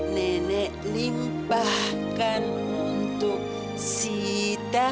nenek limpahkan untuk siapkan